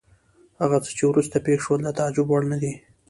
هغه څه چې وروسته پېښ شول د تعجب وړ نه دي.